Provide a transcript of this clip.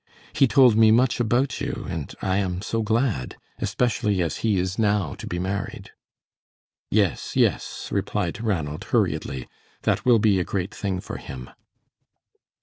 He told me much about you, and I am so glad, especially as he is now to be married." "Yes, yes," replied Ranald, hurriedly; "that will be a great thing for him."